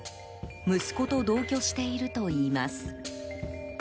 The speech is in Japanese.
息子と同居しているといいます。